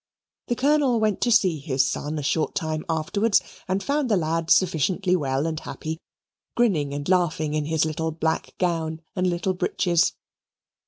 The Colonel went to see his son a short time afterwards and found the lad sufficiently well and happy, grinning and laughing in his little black gown and little breeches.